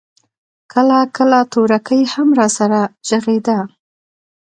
کله کله تورکى هم راسره ږغېده.